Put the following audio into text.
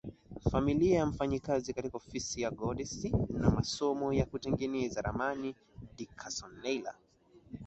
familia ya mfanyakazi katika Ofisi ya Geodesy na masomo ya kutengeneza ramani Dickerson Naylor